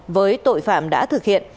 với tội phạm đã thực hiện